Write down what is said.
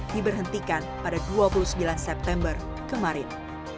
diberhentikan pada dua puluh sembilan september kemarin